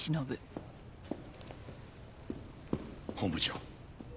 本部長。